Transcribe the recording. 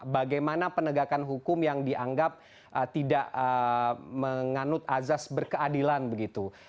bagaimana penegakan hukum yang dianggap tidak menganut azas berkeadilan begitu